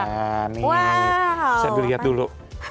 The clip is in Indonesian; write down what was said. ini bisa dilihat dulu